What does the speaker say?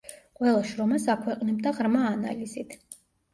ყველა შრომას აქვეყნებდა ღრმა ანალიზით.